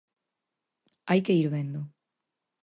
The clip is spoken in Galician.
Hai que ir vendo.